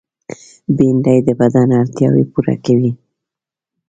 بېنډۍ د بدن اړتیاوې پوره کوي